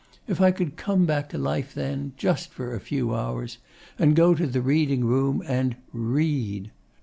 If I could come back to life then just for a few hours and go to the reading room, and READ!